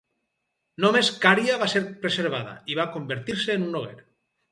Només Cària va ser preservada, i va convertir-se en un noguer.